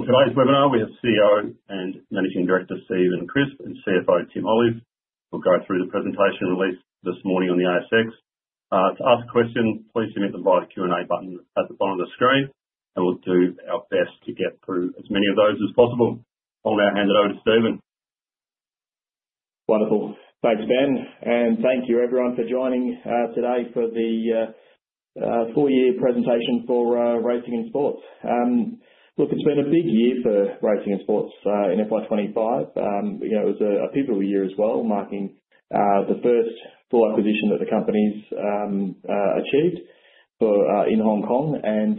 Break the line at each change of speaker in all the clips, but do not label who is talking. Resolved. On today's webinar, we have CEO and Managing Director Stephen Crispe and CFO Tim Olive who will go through the presentation released this morning on the ASX. To ask questions, please submit them via the Q&A button at the bottom of the screen, and we'll do our best to get through as many of those as possible. I'll now hand it over to Stephen.
Wonderful. Thanks, Ben, and thank you, everyone, for joining today for the four-year presentation for Racing and Sports. Look, it's been a big year for Racing and Sports in FY 2025. It was a pivotal year as well, marking the first full acquisition that the company's achieved in Hong Kong. And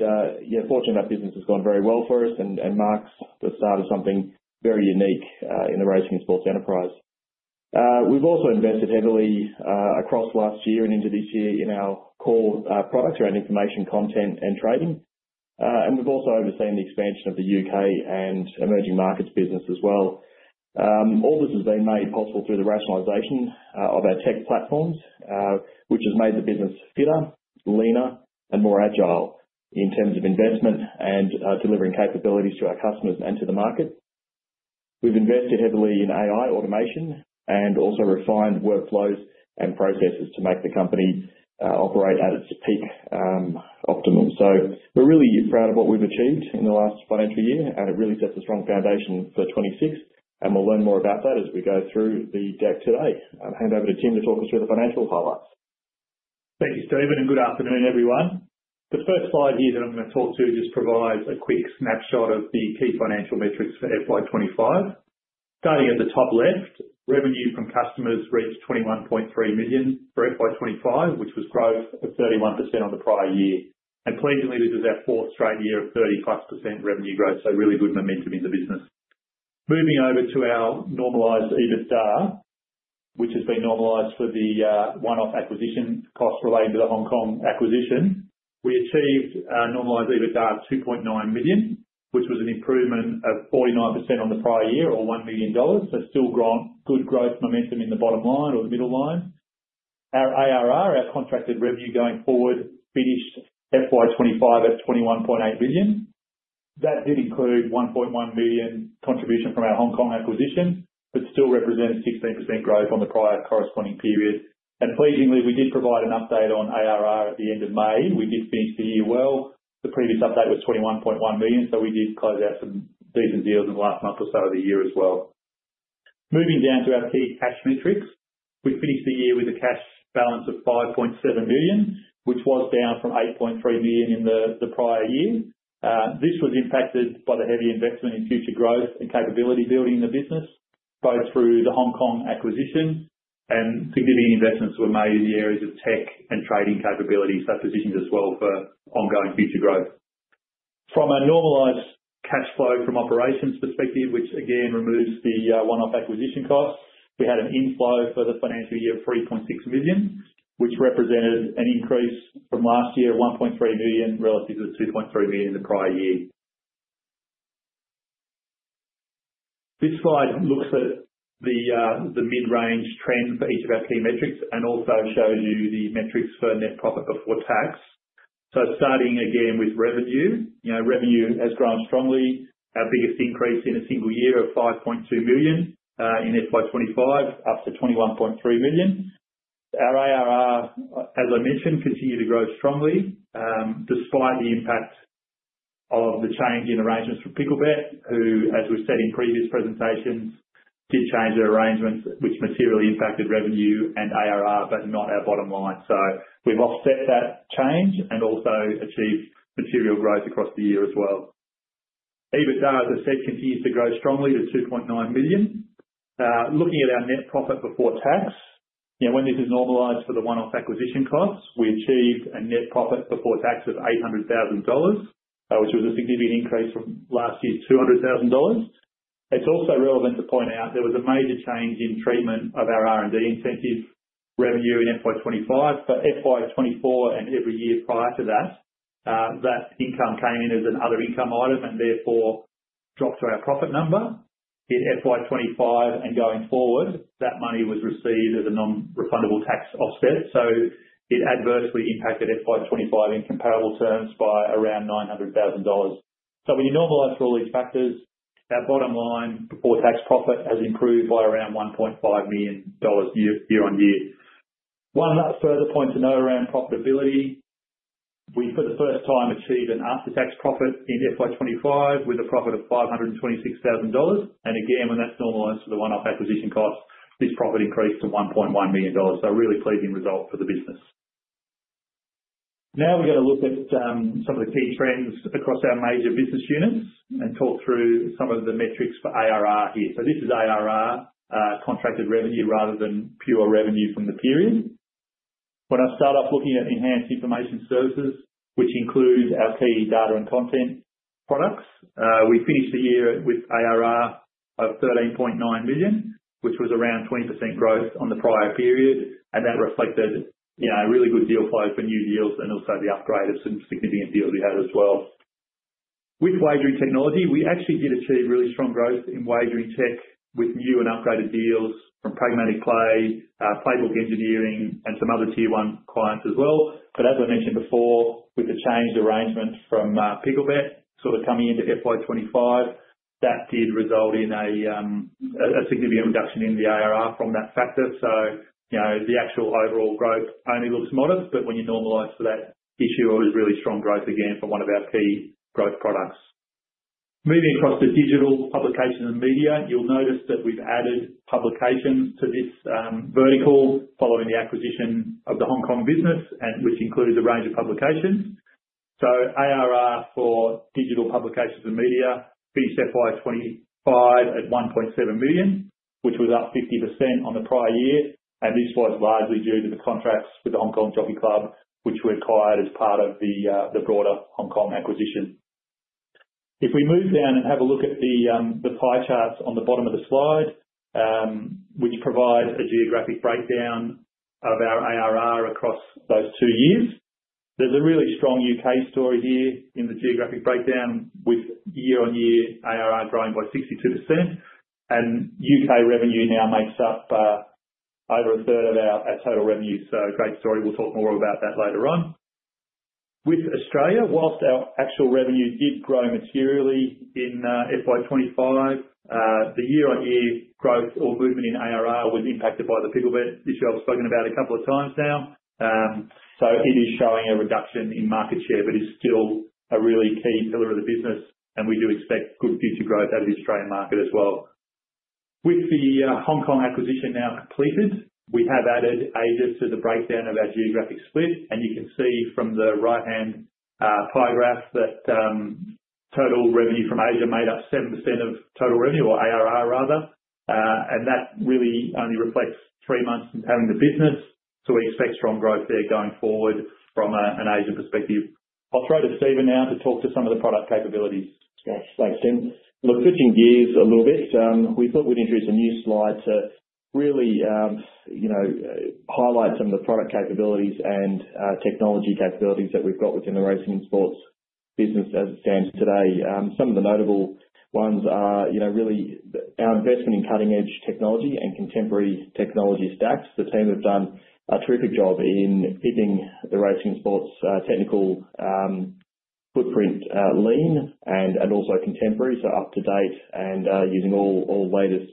fortunately, that business has gone very well for us and marks the start of something very unique in the Racing and Sports enterprise. We've also invested heavily across last year and into this year in our core products around information, content, and trading. And we've also overseen the expansion of the UK and emerging markets business as well. All this has been made possible through the rationalisation of our tech platforms, which has made the business fitter, leaner, and more agile in terms of investment and delivering capabilities to our customers and to the market. We've invested heavily in AI automation and also refined workflows and processes to make the company operate at its peak optimum, so we're really proud of what we've achieved in the last financial year, and it really sets a strong foundation for 2026, and we'll learn more about that as we go through the deck today. I'll hand over to Tim to talk us through the financial highlights.
Thank you, Stephen, and good afternoon, everyone. The first slide here that I'm going to talk to just provides a quick snapshot of the key financial metrics for FY 2025. Starting at the top left, revenue from customers reached 21.3 million for FY 2025, which was growth of 31% on the prior year, and pleasingly, this is our fourth straight year of 30%+ revenue growth, so really good momentum in the business. Moving over to our normalized EBITDA, which has been normalized for the one-off acquisition costs relating to the Hong Kong acquisition, we achieved normalized EBITDA of 2.9 million, which was an improvement of 49% on the prior year, or 1 million dollars, so still good growth momentum in the bottom line or the middle line. Our ARR, our contracted revenue going forward, finished FY 2025 at 21.8 million. That did include 1.1 million contribution from our Hong Kong acquisition, but still represented 16% growth on the prior corresponding period. And pleasingly, we did provide an update on ARR at the end of May. We did finish the year well. The previous update was 21.1 million, so we did close out some decent deals in the last month or so of the year as well. Moving down to our key cash metrics, we finished the year with a cash balance of 5.7 million, which was down from 8.3 million in the prior year. This was impacted by the heavy investment in future growth and capability building in the business, both through the Hong Kong acquisition and significant investments that were made in the areas of tech and trading capabilities, so positions as well for ongoing future growth. From a normalised cash flow from operations perspective, which again removes the one-off acquisition costs, we had an inflow for the financial year of 3.6 million, which represented an increase from last year of 1.3 million relative to 2.3 million in the prior year. This slide looks at the mid-range trend for each of our key metrics and also shows you the metrics for net profit before tax. So starting again with revenue, revenue has grown strongly. Our biggest increase in a single year of 5.2 million in FY 2025, up to 21.3 million. Our ARR, as I mentioned, continued to grow strongly despite the impact of the change in arrangements from Picklebet, who, as we've said in previous presentations, did change their arrangements, which materially impacted revenue and ARR, but not our bottom line. So we've offset that change and also achieved material growth across the year as well. EBITDA, as I said, continues to grow strongly to 2.9 million. Looking at our net profit before tax, when this is normalized for the one-off acquisition costs, we achieved a net profit before tax of 800,000 dollars, which was a significant increase from last year's 200,000 dollars. It's also relevant to point out there was a major change in treatment of our R&D incentive revenue in FY 2025. For FY 2024 and every year prior to that, that income came in as an other income item and therefore dropped our profit number. In FY 2025 and going forward, that money was received as a non-refundable tax offset. So it adversely impacted FY 2025 in comparable terms by around 900,000 dollars. So when you normalize for all these factors, our bottom line before tax profit has improved by around 1.5 million dollars year on year. One other further point to note around profitability. We for the first time achieved an after-tax profit in FY 2025 with a profit of 526,000 dollars, and again, when that's normalised for the one-off acquisition costs, this profit increased to 1.1 million dollars. It was a really pleasing result for the business. Now we're going to look at some of the key trends across our major business units and talk through some of the metrics for ARR here. This is ARR, contracted revenue rather than pure revenue from the period. When I start off looking at Enhanced Information Services, which include our key data and content products, we finished the year with ARR of 13.9 million, which was around 20% growth on the prior period, and that reflected a really good deal flow for new deals and also the upgrade of some significant deals we had as well. With Wagering Technology, we actually did achieve really strong growth in wagering tech with new and upgraded deals from Pragmatic Play, Playbook Engineering, and some other tier one clients as well. But as I mentioned before, with the changed arrangement from Picklebet sort of coming into FY 2025, that did result in a significant reduction in the ARR from that factor. So the actual overall growth only looks modest, but when you normalize for that issue, it was really strong growth again for one of our key growth products. Moving across to Digital Publications and Media, you'll notice that we've added Publications to this vertical following the acquisition of the Hong Kong business, which includes a range of publications. So ARR for Digital Publications and Media finished FY 2025 at 1.7 million, which was up 50% on the prior year. This was largely due to the contracts with the Hong Kong Jockey Club, which were acquired as part of the broader Hong Kong acquisition. If we move down and have a look at the pie charts on the bottom of the slide, which provide a geographic breakdown of our ARR across those two years, there's a really strong U.K. story here in the geographic breakdown with year-on-year ARR growing by 62%. U.K. revenue now makes up over a third of our total revenue. Great story. We'll talk more about that later on. With Australia, whilst our actual revenue did grow materially in FY 2025, the year-on-year growth or movement in ARR was impacted by the Picklebet issue I've spoken about a couple of times now. So it is showing a reduction in market share, but it's still a really key pillar of the business. We do expect good future growth out of the Australian market as well. With the Hong Kong acquisition now completed, we have added Asia to the breakdown of our geographic split. You can see from the right-hand pie graph that total revenue from Asia made up 7% of total revenue, or ARR rather. That really only reflects three months having the business. We expect strong growth there going forward from an Asia perspective. I'll throw to Stephen now to talk to some of the product capabilities.
Thanks, Tim. Look, switching gears a little bit, we thought we'd introduce a new slide to really highlight some of the product capabilities and technology capabilities that we've got within the Racing and Sports business as it stands today. Some of the notable ones are really our investment in cutting-edge technology and contemporary technology stacks. The team have done a terrific job in keeping the Racing and Sports technical footprint lean and also contemporary, so up-to-date and using all latest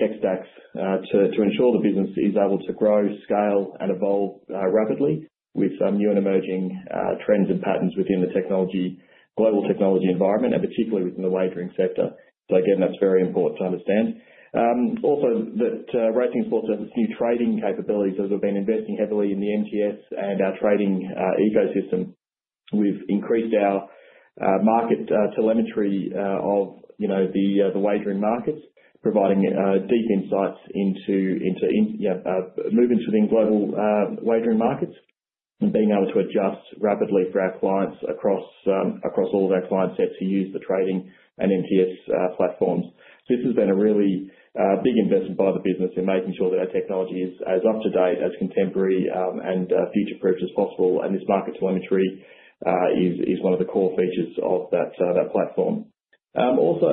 tech stacks to ensure the business is able to grow, scale, and evolve rapidly with new and emerging trends and patterns within the global technology environment, and particularly within the wagering sector. So again, that's very important to understand. Also, that Racing and Sports have this new trading capabilities as we've been investing heavily in the MTS and our trading ecosystem. We've increased our market telemetry of the wagering markets, providing deep insights into moving to the global wagering markets and being able to adjust rapidly for our clients across all of our client sets who use the trading and MTS platforms, so this has been a really big investment by the business in making sure that our technology is as up-to-date, as contemporary, and future-proof as possible, and this market telemetry is one of the core features of that platform. Also,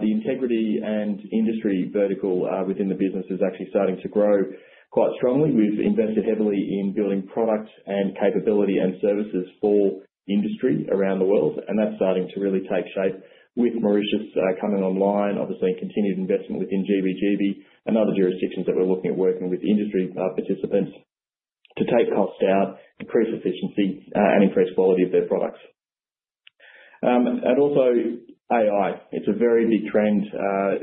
the integrity and industry vertical within the business is actually starting to grow quite strongly. We've invested heavily in building products and capability and services for industry around the world, and that's starting to really take shape with Mauritius coming online, obviously continued investment within GBGB and other jurisdictions that we're looking at working with industry participants to take costs out, increase efficiency, and increase quality of their products. And also AI. It's a very big trend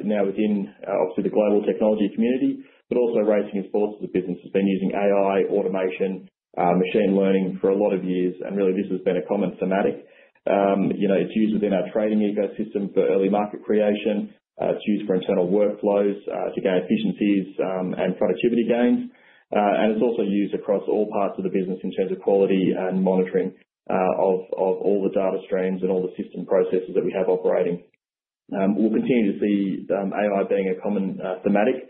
now within, obviously, the global technology community, but also Racing and Sports as a business has been using AI, automation, machine learning for a lot of years. And really, this has been a common thematic. It's used within our trading ecosystem for early market creation. It's used for internal workflows to gain efficiencies and productivity gains. And it's also used across all parts of the business in terms of quality and monitoring of all the data streams and all the system processes that we have operating. We'll continue to see AI being a common thematic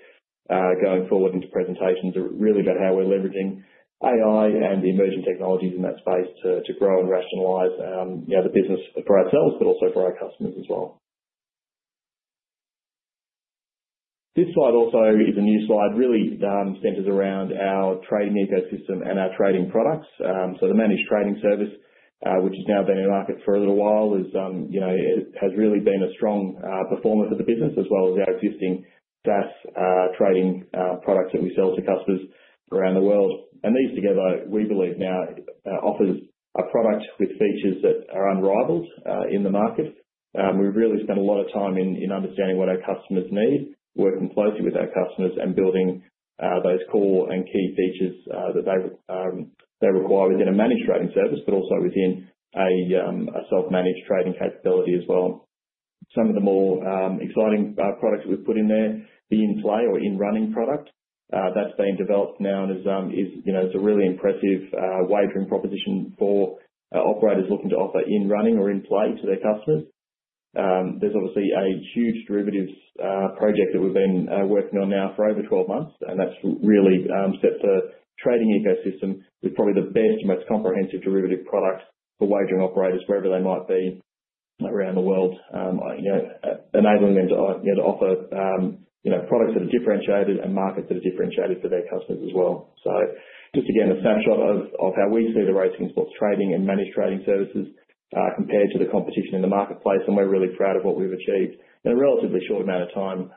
going forward into presentations really about how we're leveraging AI and emerging technologies in that space to grow and rationalize the business for ourselves, but also for our customers as well. This slide also is a new slide really centers around our trading ecosystem and our trading products. So the managed trading service, which has now been in the market for a little while, has really been a strong performer for the business as well as our existing SaaS trading products that we sell to customers around the world. And these together, we believe now, offers a product with features that are unrivaled in the market. We've really spent a lot of time in understanding what our customers need, working closely with our customers, and building those core and key features that they require within a managed trading service, but also within a self-managed trading capability as well. Some of the more exciting products that we've put in there, the in-play or in-running product, that's been developed now and is a really impressive wagering proposition for operators looking to offer in-running or in-play to their customers. There's obviously a huge derivatives project that we've been working on now for over 12 months, and that's really set the trading ecosystem with probably the best and most comprehensive derivative products for wagering operators wherever they might be around the world, enabling them to offer products that are differentiated and markets that are differentiated for their customers as well, so just again, a snapshot of how we see the Racing and Sports trading and managed trading services compared to the competition in the marketplace, and we're really proud of what we've achieved in a relatively short amount of time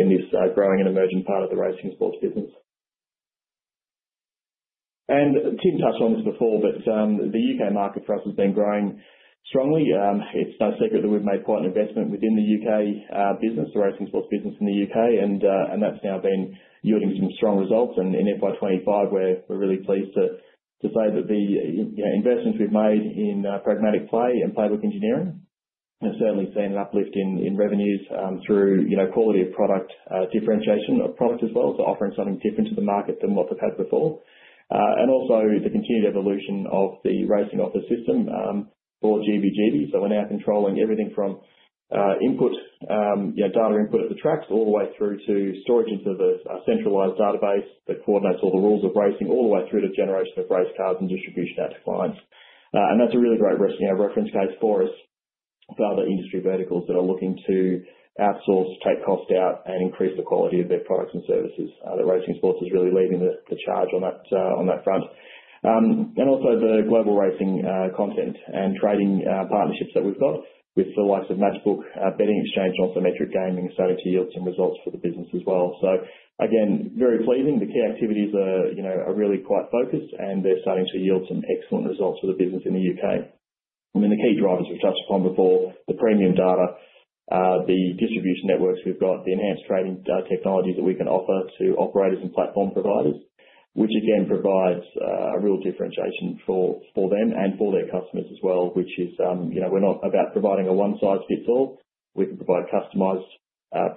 in this growing and emerging part of the Racing and Sports business. Tim touched on this before, but the U.K. market for us has been growing strongly. It's no secret that we've made quite an investment within the U.K. business, the Racing and Sports business in the U.K. That's now been yielding some strong results. In FY 2025, we're really pleased to say that the investments we've made in Pragmatic Play and Playbook Engineering have certainly seen an uplift in revenues through quality of product differentiation of product as well, so offering something different to the market than what they've had before. Also the continued evolution of the Racing Office System for GBGB. We're now controlling everything from data input at the tracks all the way through to storage into the centralized database that coordinates all the rules of racing, all the way through to generation of race cards and distribution out to clients. That's a really great reference case for us for other industry verticals that are looking to outsource, take costs out, and increase the quality of their products and services. Racing and Sports is really leading the charge on that front. Also the global racing content and trading partnerships that we've got with the likes of Matchbook Betting Exchange, and also Metric Gaming are starting to yield some results for the business as well. Again, very pleasing. The key activities are really quite focused, and they're starting to yield some excellent results for the business in the U.K. I mean, the key drivers we've touched upon before, the premium data, the distribution networks we've got, the enhanced trading technologies that we can offer to operators and platform providers, which again provides a real differentiation for them and for their customers as well, which is we're not about providing a one-size-fits-all. We can provide customized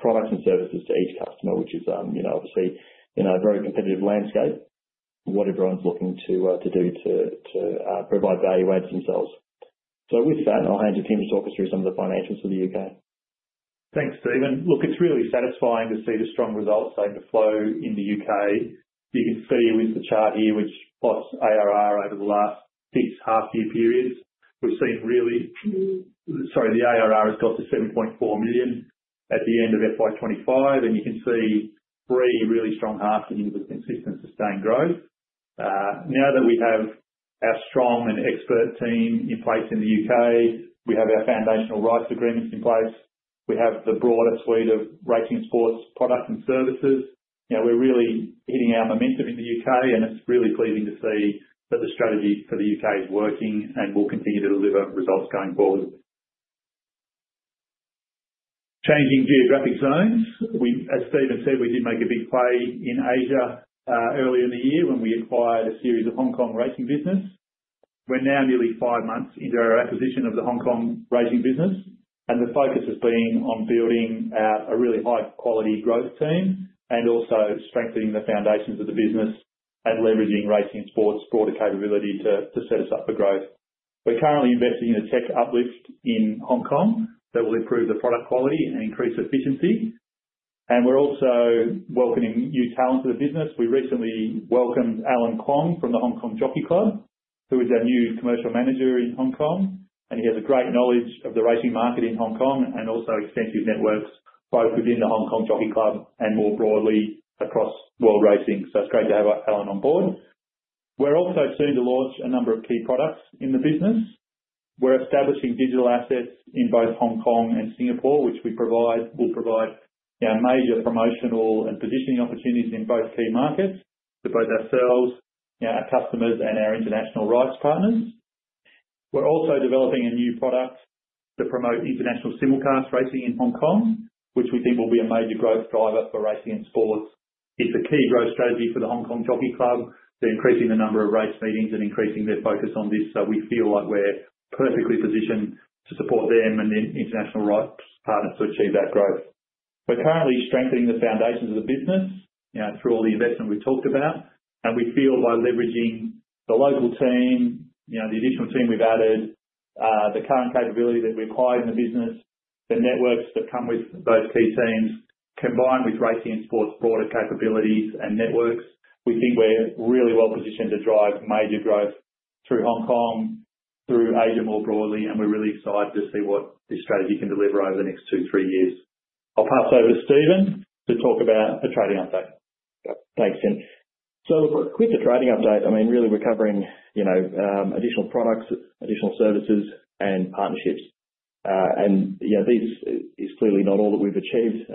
products and services to each customer, which is obviously a very competitive landscape. What everyone's looking to do to provide value adds themselves. So with that, I'll hand over to Tim to talk us through some of the financials for the U.K.
Thanks, Stephen. Look, it's really satisfying to see the strong results flow through in the U.K. You can see with the chart here, which plots ARR over the last six half-year periods. We've seen, the ARR has got to 7.4 million at the end of FY 2025. You can see three really strong halves in consistent sustained growth. Now that we have our strong and expert team in place in the U.K., we have our foundational rights agreements in place. We have the broader suite of Racing and Sports products and services. We're really hitting our momentum in the U.K., and it's really pleasing to see that the strategy for the U.K. is working and will continue to deliver results going forward. Changing geographic zones. As Stephen said, we did make a big play in Asia earlier in the year when we acquired a series of Hong Kong racing business. We're now nearly five months into our acquisition of the Hong Kong racing business. The focus has been on building a really high-quality growth team and also strengthening the foundations of the business and leveraging Racing and Sports' broader capability to set us up for growth. We're currently investing in a tech uplift in Hong Kong that will improve the product quality and increase efficiency. We're also welcoming new talent to the business. We recently welcomed Alan Kwong from the Hong Kong Jockey Club, who is our new Commercial Manager in Hong Kong. He has a great knowledge of the racing market in Hong Kong and also extensive networks both within the Hong Kong Jockey Club and more broadly across world racing. It's great to have Alan on board. We're also soon to launch a number of key products in the business. We're establishing digital assets in both Hong Kong and Singapore, which we will provide major promotional and positioning opportunities in both key markets to both ourselves, our customers, and our international rights partners. We're also developing a new product to promote international simulcast racing in Hong Kong, which we think will be a major growth driver for Racing and Sports. It's a key growth strategy for the Hong Kong Jockey Club. They're increasing the number of race meetings and increasing their focus on this. So we feel like we're perfectly positioned to support them and the international rights partners to achieve that growth. We're currently strengthening the foundations of the business through all the investment we've talked about. And we feel by leveraging the local team, the additional team we've added, the current capability that we acquired in the business, the networks that come with those key teams, combined with Racing and Sports broader capabilities and networks, we think we're really well positioned to drive major growth through Hong Kong, through Asia more broadly. And we're really excited to see what this strategy can deliver over the next two, three years. I'll pass over to Stephen to talk about a trading update.
Thanks, Tim. So with the trading update, I mean, really we're covering additional products, additional services, and partnerships. And this is clearly not all that we've achieved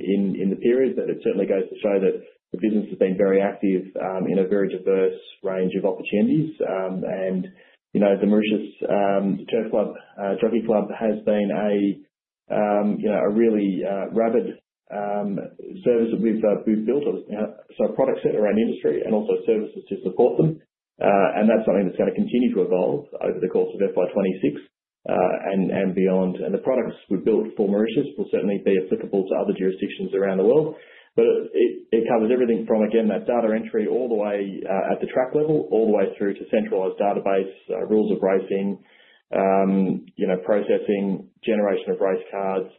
in the period, but it certainly goes to show that the business has been very active in a very diverse range of opportunities. And the Mauritius Turf Club has been a really rapid service that we've built, so products set around industry and also services to support them. And that's something that's going to continue to evolve over the course of FY 2026 and beyond. And the products we've built for Mauritius will certainly be applicable to other jurisdictions around the world. But it covers everything from, again, that data entry all the way at the track level, all the way through to centralized database, rules of racing, processing, generation of race cards,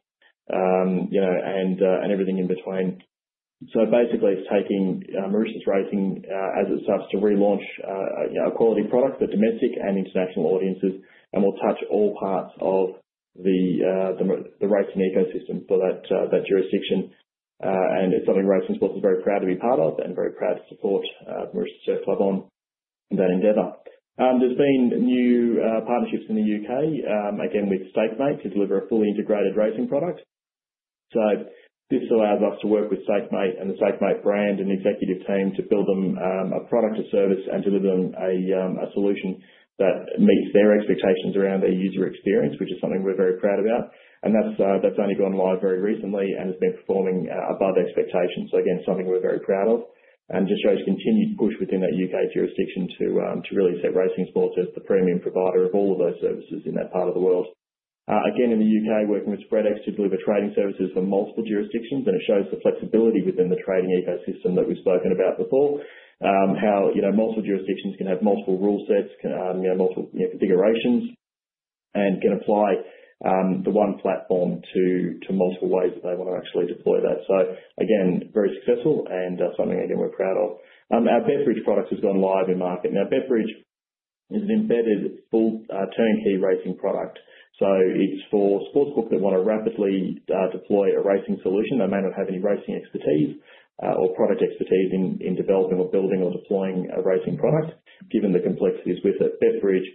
and everything in between. So basically, it's taking Mauritius Racing as itself to relaunch a quality product for domestic and international audiences. And we'll touch all parts of the racing ecosystem for that jurisdiction. And it's something Racing and Sports is very proud to be part of and very proud to support Mauritius Turf Club on that endeavor. There's been new partnerships in the U.K., again, with Stakemate to deliver a fully integrated racing product. So this allows us to work with Stakemate and the Stakemate brand and executive team to build them a product or service and deliver them a solution that meets their expectations around their user experience, which is something we're very proud about. And that's only gone live very recently and has been performing above expectations. So again, something we're very proud of and just shows continued push within that U.K. jurisdiction to really set Racing and Sports as the premium provider of all of those services in that part of the world. Again, in the U.K., working with Spreadex to deliver trading services for multiple jurisdictions. And it shows the flexibility within the trading ecosystem that we've spoken about before, how multiple jurisdictions can have multiple rule sets, multiple configurations, and can apply the one platform to multiple ways that they want to actually deploy that. So again, very successful and something, again, we're proud of. Our BetBridge product has gone live in market. Now, BetBridge is an embedded full turnkey racing product. So it's for sports book that want to rapidly deploy a racing solution. They may not have any racing expertise or product expertise in developing or building or deploying a racing product, given the complexities with it. BetBridge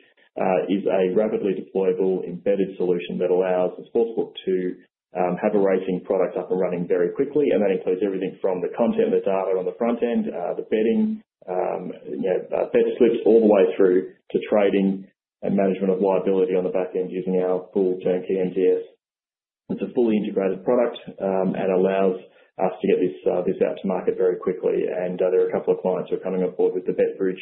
is a rapidly deployable embedded solution that allows the sports book to have a racing product up and running very quickly. And that includes everything from the content and the data on the front end, the betting, bet slips, all the way through to trading and management of liability on the back end using our full turnkey MTS. It's a fully integrated product and allows us to get this out to market very quickly. And there are a couple of clients who are coming on board with the BetBridge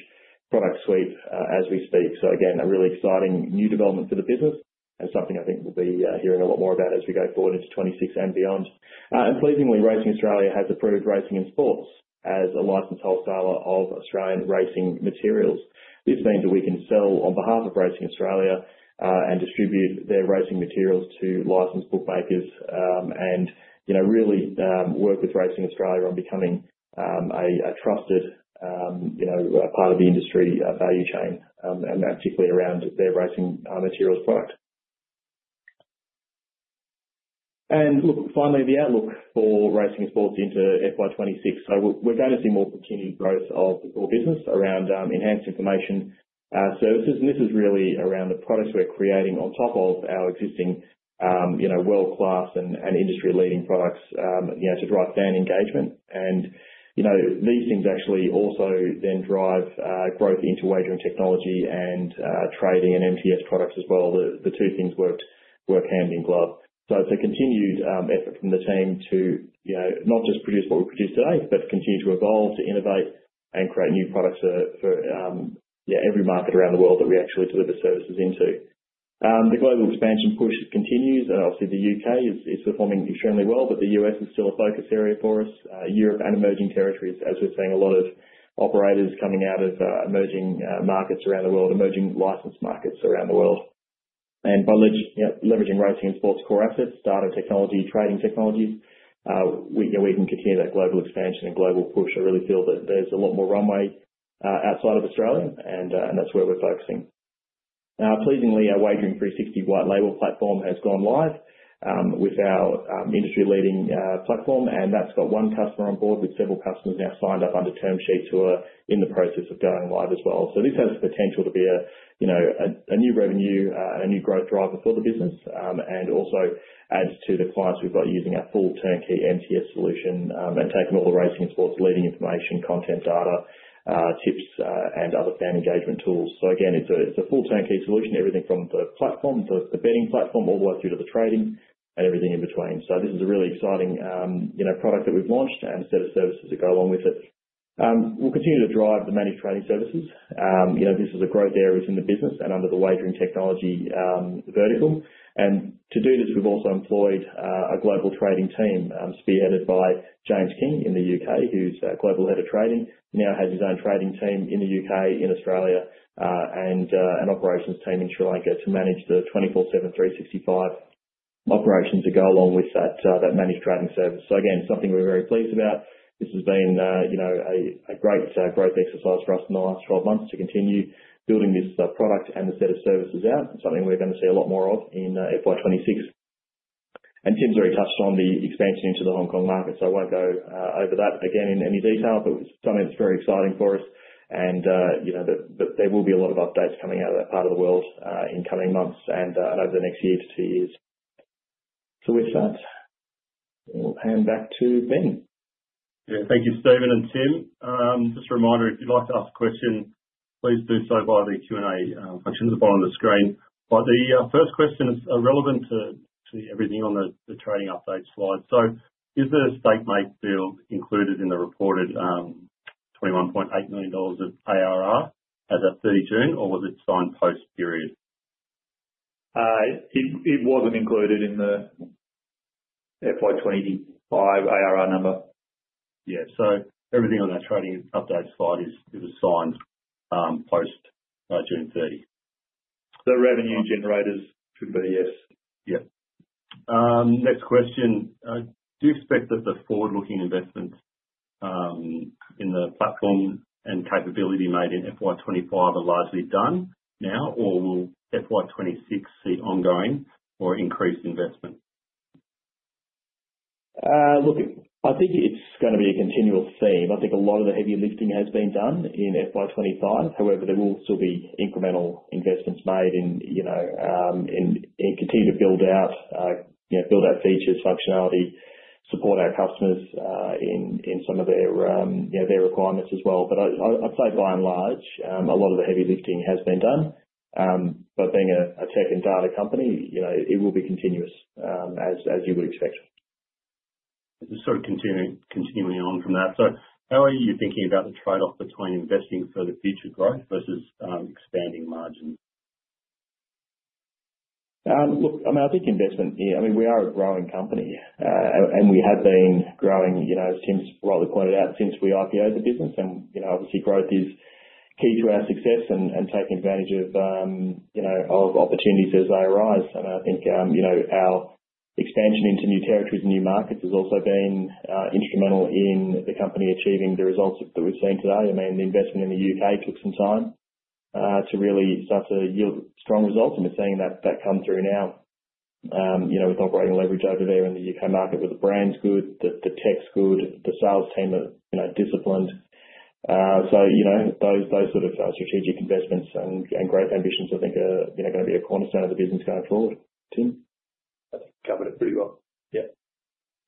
product suite as we speak. So again, a really exciting new development for the business and something I think we'll be hearing a lot more about as we go forward into 2026 and beyond. Pleasingly, Racing Australia has approved Racing and Sports as a licensed wholesaler of Australian racing materials. This means that we can sell on behalf of Racing Australia and distribute their racing materials to licensed bookmakers and really work with Racing Australia on becoming a trusted part of the industry value chain and particularly around their racing materials product. Look, finally, the outlook for Racing and Sports into FY 2026. We're going to see more continued growth of the core business around enhanced information services. This is really around the products we're creating on top of our existing world-class and industry-leading products to drive fan engagement. These things actually also then drive growth into wagering technology and trading and MTS products as well. The two things work hand in glove. So it's a continued effort from the team to not just produce what we produce today, but continue to evolve, to innovate, and create new products for every market around the world that we actually deliver services into. The global expansion push continues. Obviously, the U.K. is performing extremely well, but the U.S. is still a focus area for us. Europe and emerging territories, as we're seeing a lot of operators coming out of emerging markets around the world, emerging licensed markets around the world. And by leveraging Racing and Sports' core assets, data technology, trading technologies, we can continue that global expansion and global push. I really feel that there's a lot more runway outside of Australia, and that's where we're focusing. Now, pleasingly, our Wagering 360 white-label platform has gone live with our industry-leading platform. That's got one customer on board with several customers now signed up under term sheets who are in the process of going live as well. This has the potential to be a new revenue, a new growth driver for the business, and also adds to the clients we've got using our full turnkey MTS solution and taking all the Racing and Sports' leading information, content, data, tips, and other fan engagement tools. Again, it's a full turnkey solution, everything from the platform, the betting platform, all the way through to the trading and everything in between. This is a really exciting product that we've launched and a set of services that go along with it. We'll continue to drive the managed trading services. This is a growth area within the business and under the wagering technology vertical. And to do this, we've also employed a global trading team spearheaded by James King in the U.K., who's a global head of trading. He now has his own trading team in the U.K., in Australia, and an operations team in Sri Lanka to manage the 24/7 365 operations that go along with that managed trading service. So again, something we're very pleased about. This has been a great growth exercise for us in the last 12 months to continue building this product and the set of services out, something we're going to see a lot more of in FY 2026. And Tim's already touched on the expansion into the Hong Kong market, so I won't go over that again in any detail, but it's something that's very exciting for us. There will be a lot of updates coming out of that part of the world in coming months and over the next year to two years. With that, we'll hand back to Ben.
Yeah, thank you, Stephen and Tim. Just a reminder, if you'd like to ask a question, please do so via the Q&A function at the bottom of the screen. But the first question is relevant to everything on the trading update slide. So is the Stakemate deal included in the reported 21.8 million dollars of ARR as of 30 June, or was it signed post-period?
It wasn't included in the FY 2025 ARR number.
Yeah, so everything on that trading update slide was signed post-June 30.
The revenue generators should be, yes.
Yeah. Next question. Do you expect that the forward-looking investments in the platform and capability made in FY 2025 are largely done now, or will FY 2026 see ongoing or increased investment?
Look, I think it's going to be a continual theme. I think a lot of the heavy lifting has been done in FY 2025. However, there will still be incremental investments made in continuing to build out features, functionality, support our customers in some of their requirements as well. But I'd say by and large, a lot of the heavy lifting has been done. But being a tech and data company, it will be continuous, as you would expect.
Sort of continuing on from that. So how are you thinking about the trade-off between investing for the future growth versus expanding margin?
Look, I mean, I think investment, I mean, we are a growing company, and we have been growing, as Tim's rightly pointed out, since we IPO'd the business. And obviously, growth is key to our success and taking advantage of opportunities as they arise. And I think our expansion into new territories and new markets has also been instrumental in the company achieving the results that we've seen today. I mean, the investment in the U.K. took some time to really start to yield strong results, and we're seeing that come through now with operating leverage over there in the U.K. market, where the brand's good, the tech's good, the sales team are disciplined. So those sort of strategic investments and growth ambitions, I think, are going to be a cornerstone of the business going forward. Tim?
I think you covered it pretty well.
Yeah.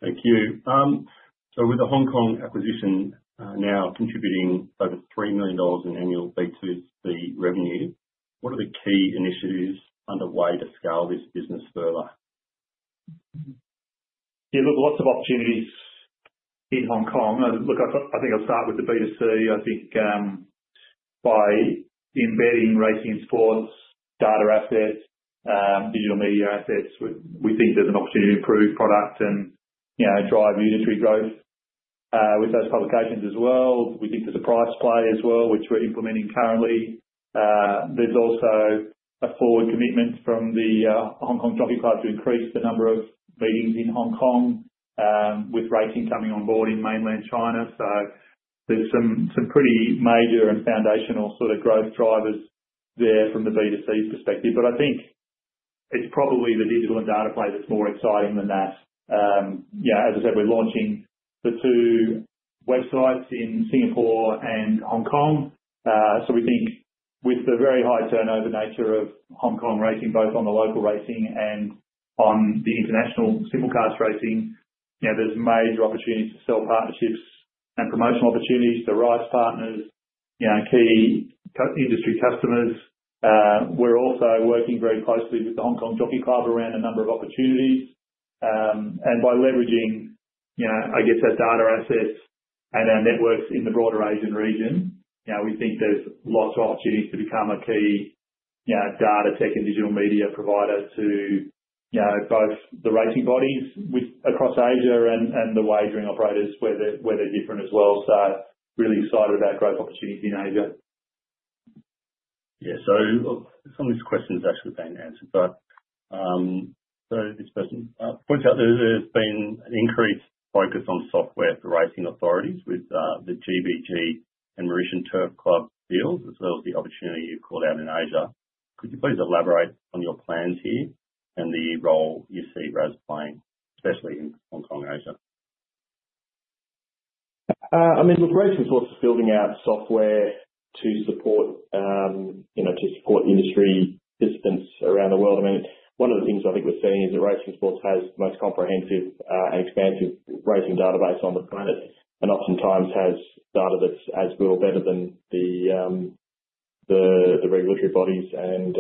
Thank you. So with the Hong Kong acquisition now contributing over 3 million dollars in annual B2C revenue, what are the key initiatives underway to scale this business further?
Yeah, look, lots of opportunities in Hong Kong. Look, I think I'll start with the B2C. I think by embedding Racing and Sports' data assets, digital media assets, we think there's an opportunity to improve product and drive unitary growth with those publications as well. We think there's a price play as well, which we're implementing currently. There's also a forward commitment from the Hong Kong Jockey Club to increase the number of meetings in Hong Kong with Racing coming on board in Mainland China. So there's some pretty major and foundational sort of growth drivers there from the B2C perspective. But I think it's probably the digital and data play that's more exciting than that. Yeah, as I said, we're launching the two websites in Singapore and Hong Kong. We think with the very high turnover nature of Hong Kong racing, both on the local racing and on the international simulcast racing, there's major opportunities to sell partnerships and promotional opportunities to RAS partners, key industry customers. We're also working very closely with the Hong Kong Jockey Club around a number of opportunities. By leveraging, I guess, our data assets and our networks in the broader Asian region, we think there's lots of opportunities to become a key data tech and digital media provider to both the racing bodies across Asia and the wagering operators where they're different as well. Really excited about growth opportunities in Asia.
Some of these questions have actually been answered. But this person points out that there's been an increased focus on software for racing authorities with the GBGB and Mauritius Turf Club deals, as well as the opportunity you've called out in Asia. Could you please elaborate on your plans here and the role you see RAS playing, especially in Hong Kong, Asia?
I mean, look, Racing and Sports is building out software to support industry participants around the world. I mean, one of the things I think we're seeing is that Racing and Sports has the most comprehensive and expansive racing database on the planet and oftentimes has data that's as well better than the regulatory bodies and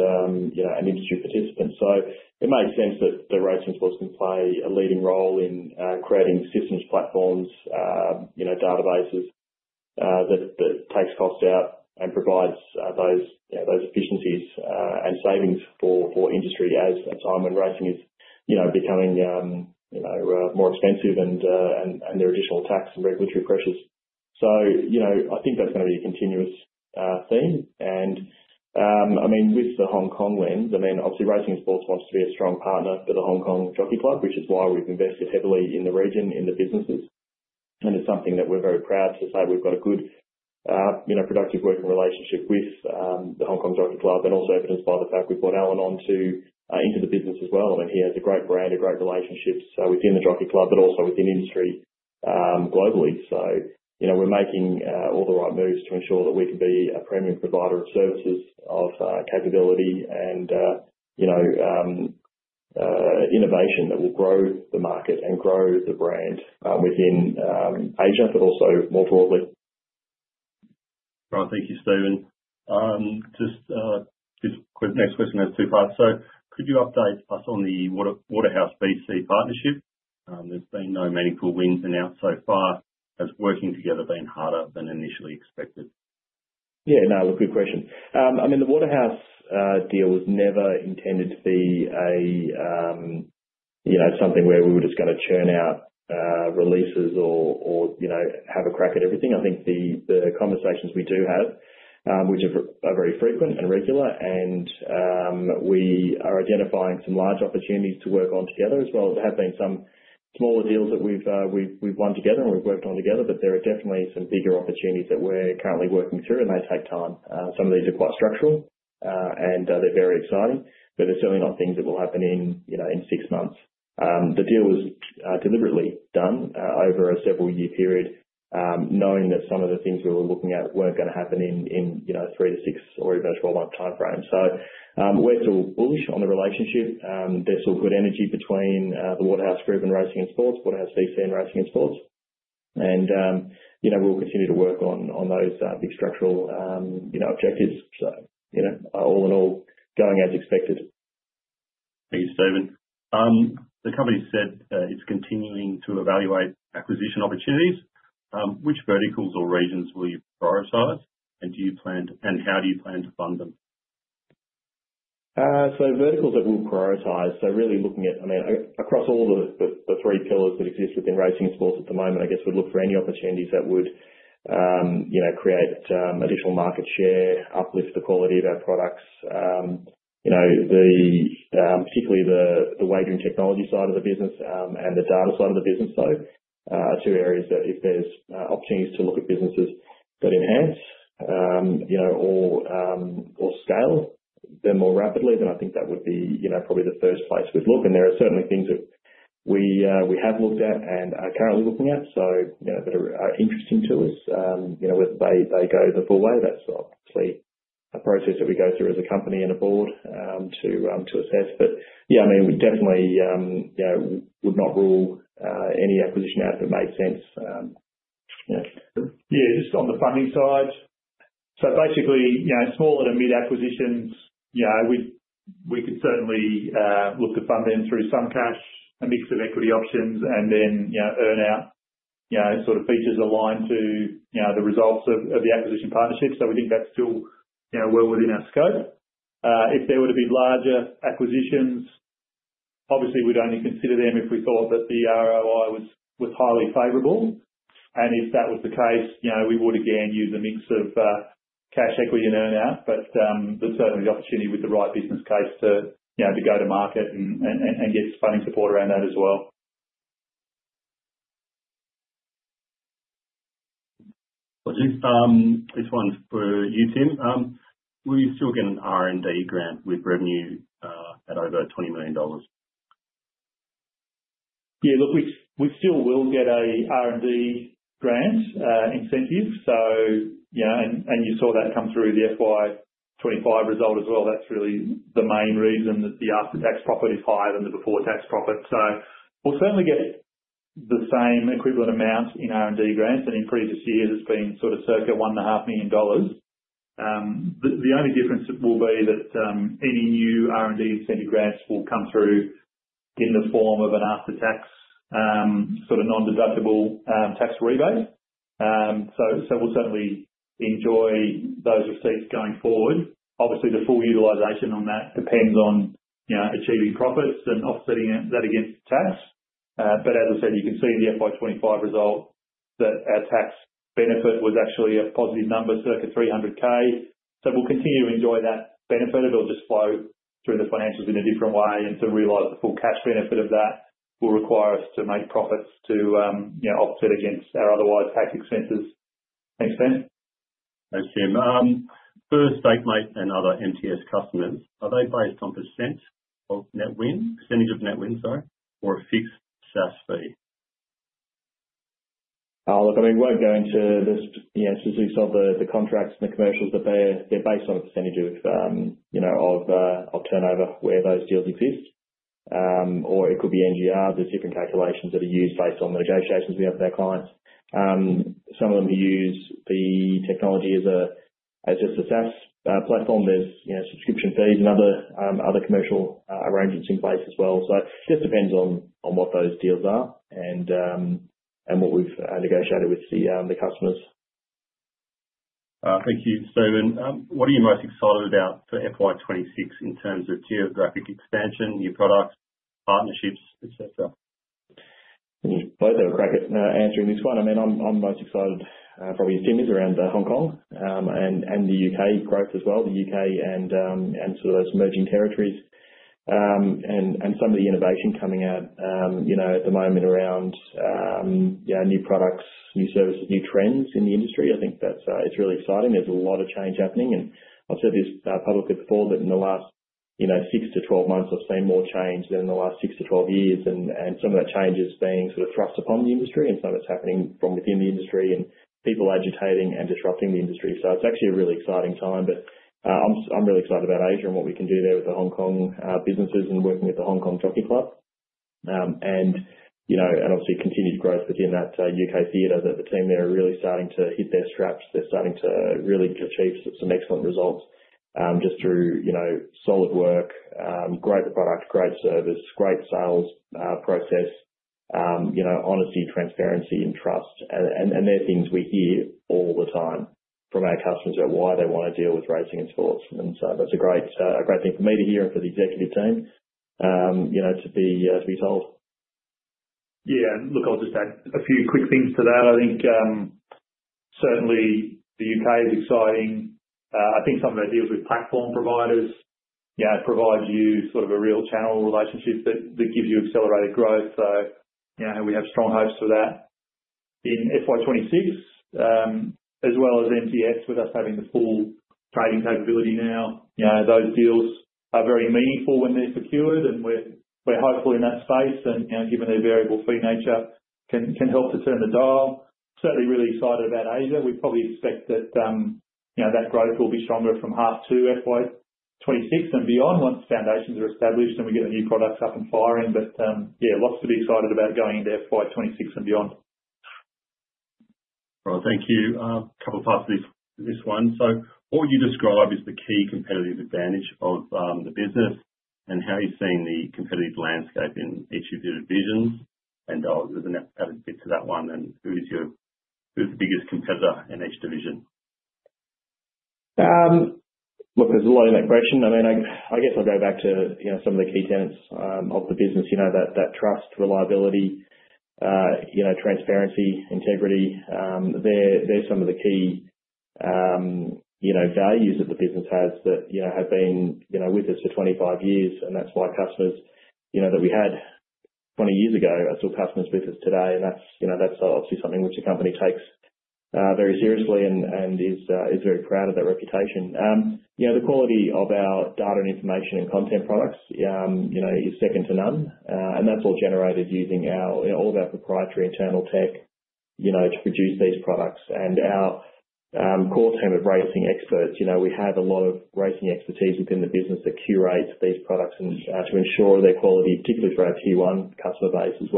industry participants. So it makes sense that the Racing and Sports can play a leading role in creating systems, platforms, databases that take costs out and provide those efficiencies and savings for industry as time when racing is becoming more expensive and there are additional tax and regulatory pressures. So I think that's going to be a continuous theme. And I mean, with the Hong Kong lens, I mean, obviously, Racing and Sports wants to be a strong partner for the Hong Kong Jockey Club, which is why we've invested heavily in the region, in the businesses. And it's something that we're very proud to say we've got a good, productive working relationship with the Hong Kong Jockey Club and also evidenced by the fact we've brought Alan on into the business as well. I mean, he has a great brand, a great relationship within the Jockey Club, but also within industry globally. So we're making all the right moves to ensure that we can be a premium provider of services, of capability and innovation that will grow the market and grow the brand within Asia, but also more broadly.
Right. Thank you, Stephen. Just next question goes too fast. So could you update us on the Waterhouse VC partnership? There's been no meaningful wins announced so far. Has working together been harder than initially expected?
Yeah. No, look, good question. I mean, the Waterhouse deal was never intended to be something where we were just going to churn out releases or have a crack at everything. I think the conversations we do have, which are very frequent and regular, and we are identifying some large opportunities to work on together as well. There have been some smaller deals that we've won together and we've worked on together, but there are definitely some bigger opportunities that we're currently working through, and they take time. Some of these are quite structural, and they're very exciting, but they're certainly not things that will happen in six months. The deal was deliberately done over a several-year period, knowing that some of the things we were looking at weren't going to happen in three to six or even a 12-month timeframe. So we're still bullish on the relationship. There's still good energy between the Waterhouse Group and Racing and Sports, Waterhouse VC and Racing and Sports. And we'll continue to work on those big structural objectives. So all in all, going as expected.
Thank you, Stephen. The company said it's continuing to evaluate acquisition opportunities. Which verticals or regions will you prioritize, and how do you plan to fund them?
So verticals that we'll prioritize, so really looking at, I mean, across all the three pillars that exist within Racing and Sports at the moment, I guess we'd look for any opportunities that would create additional market share, uplift the quality of our products, particularly the Wagering Technology side of the business and the data side of the business. So two areas that if there's opportunities to look at businesses that enhance or scale them more rapidly, then I think that would be probably the first place we'd look. And there are certainly things that we have looked at and are currently looking at that are interesting to us. Whether they go the full way, that's obviously a process that we go through as a company and a board to assess. But yeah, I mean, we definitely would not rule any acquisition out that makes sense.
Yeah. Just on the funding side. So basically, small and mid-acquisitions, we could certainly look to fund them through some cash, a mix of equity options, and then earn-out sort of features aligned to the results of the acquisition partnership. So we think that's still well within our scope. If there were to be larger acquisitions, obviously, we'd only consider them if we thought that the ROI was highly favorable. And if that was the case, we would again use a mix of cash, equity, and earn-out. But there's certainly the opportunity with the right business case to go to market and get funding support around that as well.
This one's for you, Tim. Will you still get an R&D grant with revenue at over 20 million dollars?
Yeah. Look, we still will get an R&D grant incentive, and you saw that come through the FY 2025 result as well. That's really the main reason that the after-tax profit is higher than the before-tax profit, so we'll certainly get the same equivalent amount in R&D grants. And in previous years, it's been sort of circa 1.5 million dollars. The only difference will be that any new R&D incentive grants will come through in the form of an after-tax sort of non-deductible tax rebate, so we'll certainly enjoy those receipts going forward. Obviously, the full utilization on that depends on achieving profits and offsetting that against tax. But as I said, you can see in the FY 2025 result that our tax benefit was actually a positive number, circa 300,000. So we'll continue to enjoy that benefit. It'll just flow through the financials in a different way. To realize the full cash benefit of that will require us to make profits to offset against our otherwise tax expenses. Thanks, Ben.
Thanks, Tim. For Stakemate and other MTS customers, are they based on percent of net win, percentage of net win, sorry, or a fixed-SaaS fee?
Look, I mean, we're going to the specifics of the contracts and the commercials that they're based on a percentage of turnover where those deals exist, or it could be NGRs. There's different calculations that are used based on the negotiations we have with our clients. Some of them use the technology as just a SaaS platform. There's subscription fees and other commercial arrangements in place as well, so it just depends on what those deals are and what we've negotiated with the customers.
Thank you, Stephen. What are you most excited about for FY 2026 in terms of geographic expansion, new products, partnerships, etc.?
Boy, there's a crack at answering this one. I mean, I'm most excited, probably as Tim is, around Hong Kong and the U.K. growth as well, the U.K. and sort of those emerging territories and some of the innovation coming out at the moment around new products, new services, new trends in the industry. I think it's really exciting. There's a lot of change happening. And I've said this publicly before, but in the last six to 12 months, I've seen more change than in the last six to 12 years. And some of that change is being sort of thrust upon the industry, and some of it's happening from within the industry and people agitating and disrupting the industry. So it's actually a really exciting time. But I'm really excited about Asia and what we can do there with the Hong Kong businesses and working with the Hong Kong Jockey Club and obviously continued growth within that U.K. theater that the team there are really starting to hit their straps. They're starting to really achieve some excellent results just through solid work, great product, great service, great sales process, honesty, transparency, and trust. And they're things we hear all the time from our customers about why they want to deal with Racing and Sports. And so that's a great thing for me to hear and for the executive team to be told.
Yeah. And look, I'll just add a few quick things to that. I think certainly the U.K. is exciting. I think some of their deals with platform providers provide you sort of a real channel relationship that gives you accelerated growth. So we have strong hopes for that in FY 2026 as well as MTS with us having the full trading capability now. Those deals are very meaningful when they're secured, and we're hopeful in that space. And given their variable fee nature can help to turn the dial. Certainly really excited about Asia. We probably expect that that growth will be stronger from half to FY 2026 and beyond once foundations are established and we get the new products up and firing. But yeah, lots to be excited about going into FY 2026 and beyond.
Right. Thank you. A couple of parts of this one. So what you describe is the key competitive advantage of the business and how you've seen the competitive landscape in each of your divisions. And I'll add a bit to that one. And who is the biggest competitor in each division?
Look, there's a lot in that question. I mean, I guess I'll go back to some of the key tenets of the business, that trust, reliability, transparency, integrity. They're some of the key values that the business has that have been with us for 25 years. And that's why customers that we had 20 years ago are still customers with us today. And that's obviously something which the company takes very seriously and is very proud of their reputation. The quality of our data and information and content products is second to none. And that's all generated using all of our proprietary internal tech to produce these products. And our core team of racing experts, we have a lot of racing expertise within the business that curates these products to ensure their quality, particularly for our T1 customer base as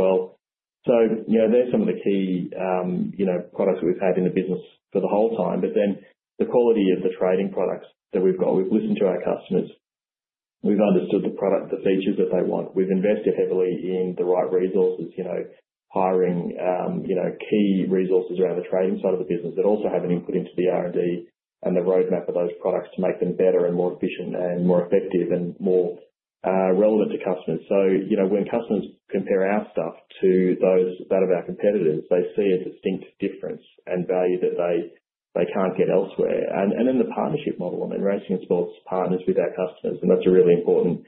well. So there are some of the key products that we've had in the business for the whole time. But then the quality of the trading products that we've got. We've listened to our customers. We've understood the product, the features that they want. We've invested heavily in the right resources, hiring key resources around the trading side of the business that also have an input into the R&D and the roadmap of those products to make them better and more efficient and more effective and more relevant to customers. So when customers compare our stuff to that of our competitors, they see a distinct difference and value that they can't get elsewhere. And then the partnership model. I mean, Racing and Sports partners with our customers. And that's a really important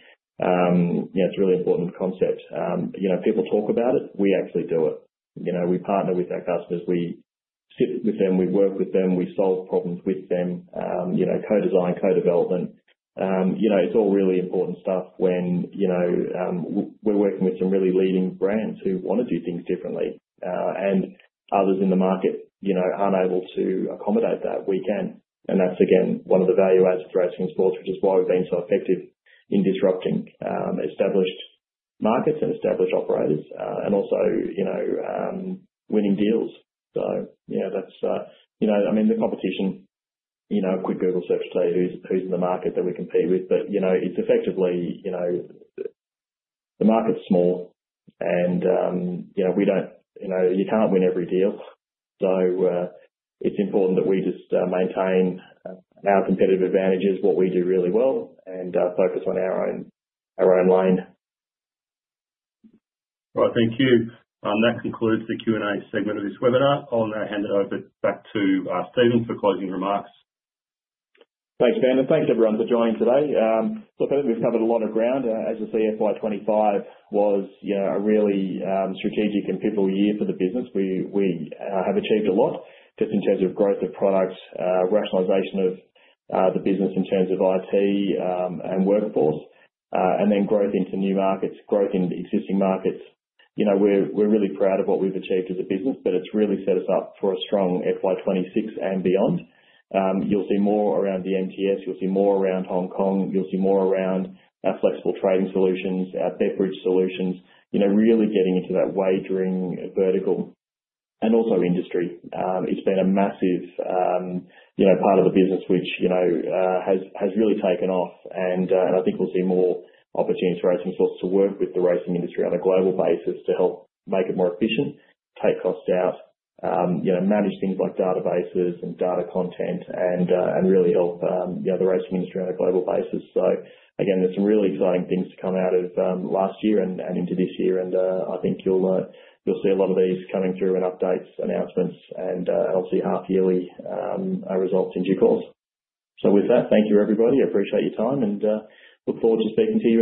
concept. People talk about it. We actually do it. We partner with our customers. We sit with them. We work with them. We solve problems with them. Co-design, co-development. It's all really important stuff when we're working with some really leading brands who want to do things differently, and others in the market aren't able to accommodate that. We can, and that's, again, one of the value adds to Racing and Sports, which is why we've been so effective in disrupting established markets and established operators and also winning deals, so yeah, that's, I mean, the competition, a quick Google search to tell you who's in the market that we compete with, but it's effectively the market's small, and we don't you can't win every deal, so it's important that we just maintain our competitive advantages, what we do really well, and focus on our own lane.
Right. Thank you. That concludes the Q&A segment of this webinar. I'll now hand it over back to Stephen for closing remarks.
Thanks, Ben, and thanks, everyone, for joining today. Look, I think we've covered a lot of ground. As you see, FY 2025 was a really strategic and pivotal year for the business. We have achieved a lot just in terms of growth of products, rationalization of the business in terms of IT and workforce, and then growth into new markets, growth in existing markets. We're really proud of what we've achieved as a business, but it's really set us up for a strong FY 2026 and beyond. You'll see more around the MTS. You'll see more around Hong Kong. You'll see more around our flexible trading solutions, our betting solutions, really getting into that wagering vertical and also industry. It's been a massive part of the business which has really taken off. And I think we'll see more opportunities for Racing and Sports to work with the racing industry on a global basis to help make it more efficient, take costs out, manage things like databases and data content, and really help the racing industry on a global basis. So again, there's some really exciting things to come out of last year and into this year. And I think you'll see a lot of these coming through in updates, announcements, and obviously half-yearly results in due course. So with that, thank you, everybody. I appreciate your time and look forward to speaking to you.